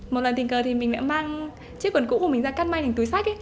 một lần tình cờ thì mình đã mang chiếc quần cũ của mình ra cắt may thành túi sách ấy